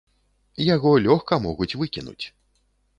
Яго лёгка могуць выкінуць.